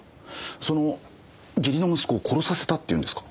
その義理の息子を殺させたっていうんですか？